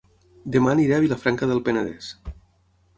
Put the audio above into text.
Dema aniré a Vilafranca del Penedès